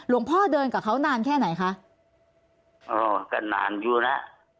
พ่อเดินกับเขานานแค่ไหนคะอ๋อก็นานอยู่แล้ว